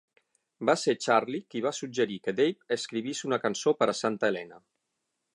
Va ser Charlie qui va suggerir que Dave escrivís una cançó per a Santa Helena.